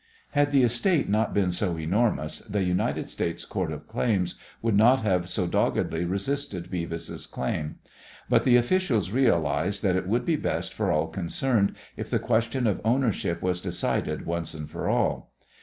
Had the estate not been so enormous the United States Court of Claims would not have so doggedly resisted Beavis' claim, but the officials realized that it would be best for all concerned if the question of ownership was decided once and for all.